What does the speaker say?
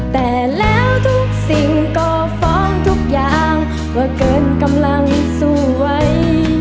แต่แล้วทุกสิ่งก็ฟ้องทุกอย่างว่าเกินกำลังสู้ไว้